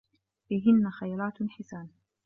فيهِنَّ خَيراتٌ حِسانٌ